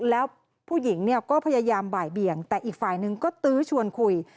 แล้วผู้หญิงเนี่ยก็พยายามบ่ายเบี่ยงแต่อีกฝ่ายนึงก็ตื้อชวนคุย